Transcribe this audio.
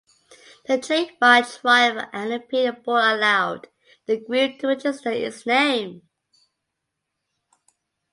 The Trademark Trial and Appeal Board allowed the group to register its name.